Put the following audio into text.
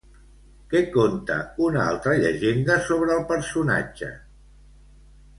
Què conta una altra llegenda sobre el personatge?